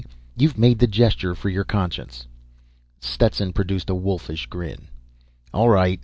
You've made the gesture for your conscience." Stetson produced a wolfish grin. "All right.